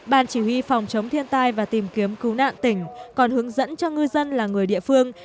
ban chỉ huy phòng chống thiên tai và tìm kiếm cứu nạn tỉnh còn hướng dẫn cho ngư dân là người địa phương